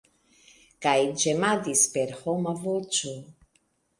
Kaj ĝemadis per homa voĉo.